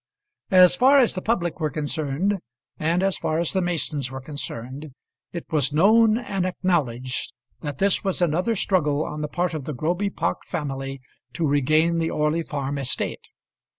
As far as the public were concerned, and as far as the Masons were concerned, it was known and acknowledged that this was another struggle on the part of the Groby Park family to regain the Orley Farm estate.